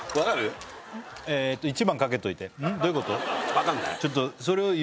わかんない？